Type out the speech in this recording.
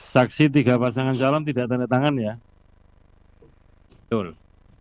saksi tiga pasangan calon itu tidak ada tanda tangannya kan